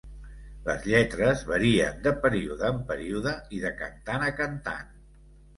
Les lletres varien de període en període i de cantant a cantant.